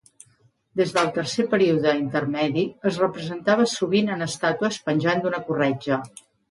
Des del Tercer Període Intermedi, es representava sovint en estàtues penjant d'una corretja.